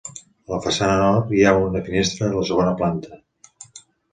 A la façana nord, hi ha una finestra a la segona planta.